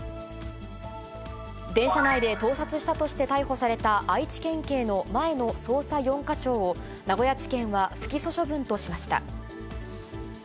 電車内で盗撮したとして逮捕された愛知県警の前の捜査４課長を、名古屋地検は不起訴処分としました。